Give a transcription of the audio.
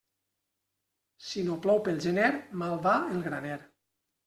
Si no plou pel gener, mal va el graner.